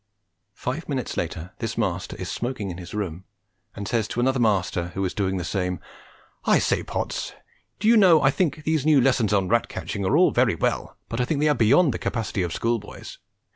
Five minutes later this master is smoking in his room and says to another master who is doing the same, "I say, Potts, do you know I think these new lessons on rat catching are all very well, but I think they are beyond the capacity of schoolboys.